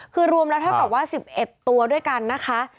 คือรวมแล้วเท่ากับว่า๑๑ตัวด้วยกันนะคะ